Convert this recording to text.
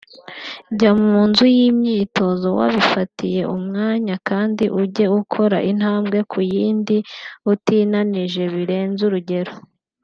Jya mu nzu y’imyitozo wabifatiye umwanya kandi ujye ukora intambwe ku yindi utinanije birenze urugero